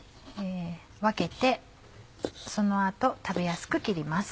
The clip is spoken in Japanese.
分けてその後食べやすく切ります。